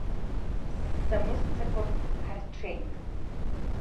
Ссамыссақәак ҳарҽеит.